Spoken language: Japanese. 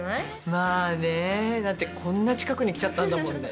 まぁねだってこんな近くに来ちゃったんだもんね。